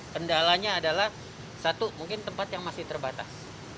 kendalanya adalah satu mungkin tempat yang masih terbatas